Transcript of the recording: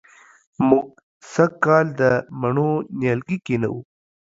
موږ سږ کال د مڼو نیالګي کېنوو